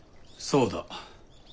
そうだ。